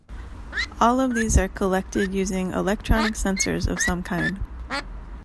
All of these are collected using electronic sensors of some kind.